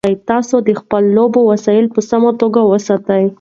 تاسو د خپلو لوبو وسایل په سمه توګه وساتئ.